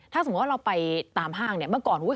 ถ้าสมมุติว่าเราไปตามห้างเนี่ย